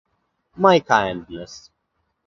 My kindness.